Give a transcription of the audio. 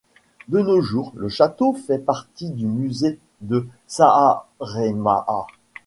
De nos jours, le château fait partie du musée de Saaremaa.